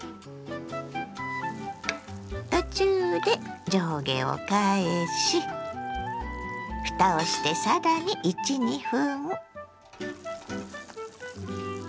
途中で上下を返しふたをしてさらに１２分。